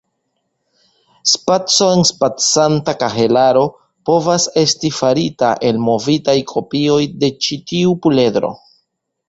Spaco-enspacanta kahelaro povas esti farita el movitaj kopioj de ĉi tiu pluredro.